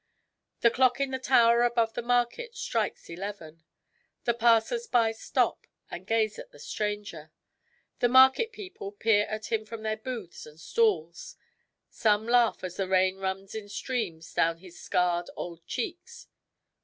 The clock in the tower above the market strikes eleven. The passers by stop and gaze at the stranger. The market people peer at him from their booths and stalls. Some laugh as the rain runs in streams down his scarred old cheeks.